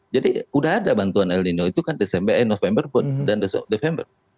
jadi sudah ada bantuan el nino itu kan november dan desember